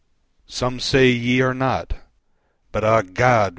Some say ye are not. But, ah God!